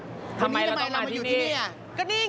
วันนี้ทำไมเราต้องมาที่นี่ทำไมเราต้องมาที่นี่